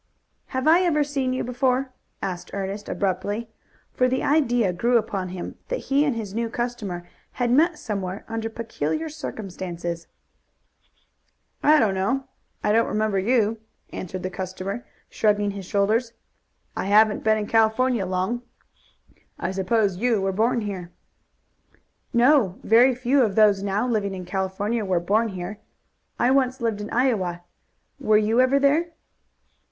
"Have I ever seen you before?" asked Ernest abruptly, for the idea grew upon him that he and his new customer had met somewhere under peculiar circumstances. "I don't know. I don't remember you," answered the customer, shrugging his shoulders. "I haven't been in California long. I suppose you were born here." "No; very few of those now living in California were born here. I once lived in Iowa. Were you ever there?"